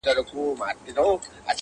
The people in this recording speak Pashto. په زندان کي له یوسف سره اسیر یم٫